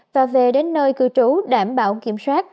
và về đến nơi cư trú đảm bảo kiểm soát